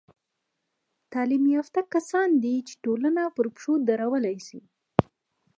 تعلیم یافته کسان دي، چي ټولنه پر پښو درولاى سي.